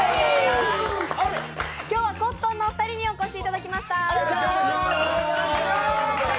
今日は、コットンのお二人にお越しいただきました。